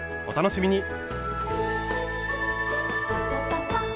お楽しみに！